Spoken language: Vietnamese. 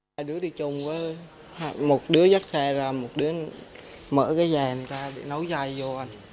hai đứa đi chung với một đứa dắt xe ra một đứa mở cái dài này ra để nấu dài vô